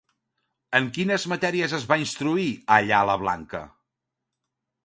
En quines matèries es va instruir, allà, la Blanca?